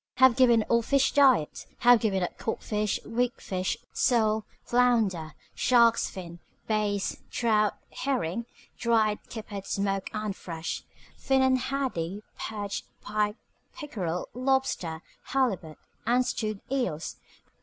Have given up all fish diet. Have given up codfish, weak fish, sole, flounder, shark's fins, bass, trout, herring (dried, kippered, smoked, and fresh), finnan haddie, perch, pike, pickerel, lobster, halibut, and stewed eels.